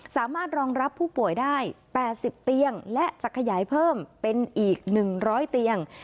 สามารถรองรับผู้ป่วยได้๘๐เตียงและจะขยายเพิ่มเป็นอีก๑๐๐เตียง